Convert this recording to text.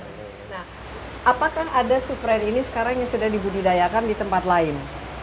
nah apakah ada supren ini sekarang yang sudah dibudidayakan di tempat lain